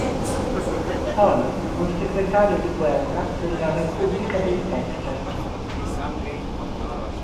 Hall, un segretario di guerra della Repubblica del Texas.